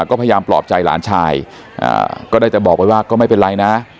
ก็พยายามปลอบใจหลานชายก็ได้แต่บอกไว้ว่าก็ไม่เป็นไรนะ